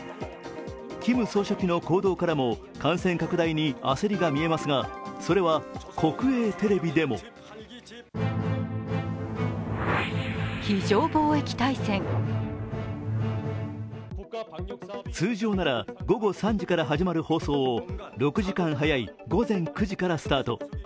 キム総書記の行動からも感染拡大に焦りが見えますが、それは国営テレビでも通常なら午後３時から始まる放送を６時間早い午前９時からスタート。